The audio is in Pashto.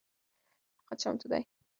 هغه چمتو دی د انتقالي حکومت مرسته وکړي.